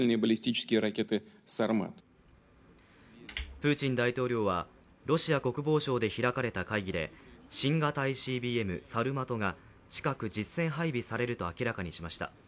プーチン大統領は、ロシア国防省で開かれた会議で、新型ＩＣＢＭサルマトが近く実戦配備されると明らかにしました。